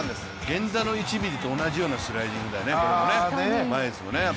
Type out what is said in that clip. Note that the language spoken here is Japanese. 源田の１ｍｍと同じようなスライディングだよね。